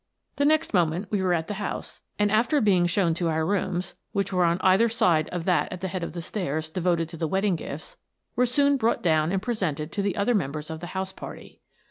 The next moment we were at the house, and, after being shown to our rooms, — which were on either side of that at the head of the stairs devoted to the wedding gifts, — were soon brought down and presented to the other members of the house party.